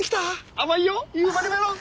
甘いよ夕張メロン。